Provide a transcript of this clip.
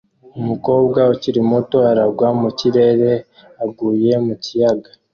Umukobwa ukiri muto aragwa mu kirere aguye mu kiyaga